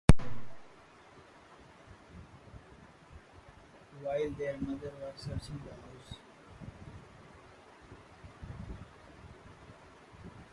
While their mother was searching the house, the kittens had got into mischief.